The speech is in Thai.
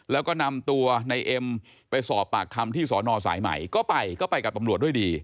แล้วก็นำตัวในเอ็มไปสอบปากคำที่สอนอสายใหม่ก็ไปก็ไปกับตำรวจด้วยดี